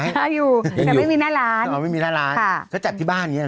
ใช่อยู่แต่ไม่มีหน้าร้านอ๋อไม่มีหน้าร้านค่ะเขาจัดที่บ้านอย่างเงี้เห